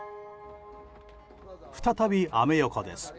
再び、アメ横です。